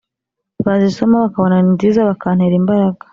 bazisoma bakabona ni nziza bakantera imbaraga.